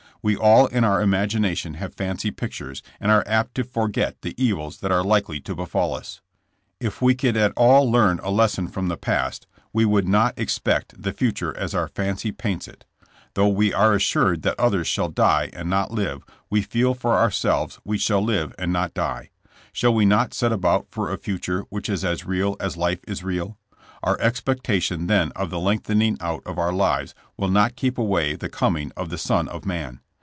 We all in our imagination have fancy pictures, and are apt to for get the evils that are likely to befall us. If we could at all learn a lesson from the past, we would not ex pect the future as our fancy paints it. Though we are assured that others shall die and not live, we feei for ourselves we shall live and not die. Shall we not set about for a future which is as real as life is real ? Our expectation then of the lengthening out of our lives will not keep away the coming of the Son of Man.